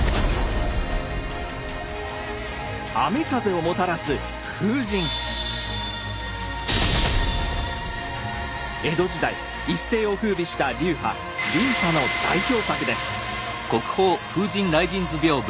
雨風をもたらす江戸時代一世を風靡した流派琳派の代表作です。